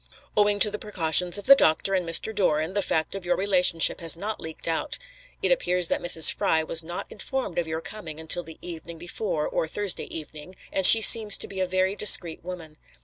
"Owing to the precautions of the doctor and Mr. Doran, the fact of your relationship has not leaked out. It appears that Mrs. Fry was not informed of your coming until the evening before, or Thursday evening, and she seems to be a very discreet woman.